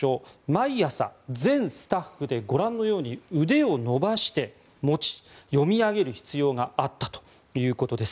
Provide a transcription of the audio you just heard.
毎朝、全スタッフでご覧のように、腕を伸ばして持ち読み上げる必要があったということです。